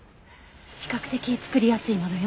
比較的作りやすいものよ。